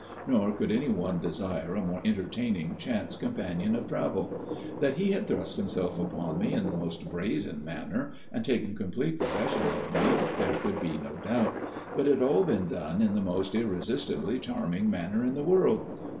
Nor could anyone desire a more entertaining chance companion of travel. That he had thrust himself upon me in the most brazen manner and taken complete possession of me there could be no doubt. But it had all been done in the most irresistibly charming manner in the world.